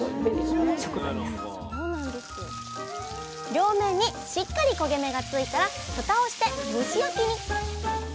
両面にしっかり焦げ目がついたらふたをして蒸し焼きに。